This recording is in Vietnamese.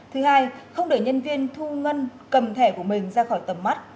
thứ hai không để nhân viên thu ngân cầm thẻ của mình ra khỏi tầm mắt